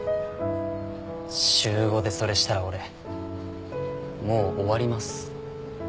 週５でそれしたら俺もう終わります。